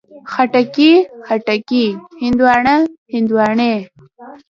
خټکی، خټکي، هندواڼه، هندواڼې